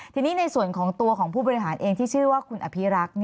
ทีนี้ในส่วนของตัวของผู้บริหารเองที่ชื่อว่าคุณอภิรักษ์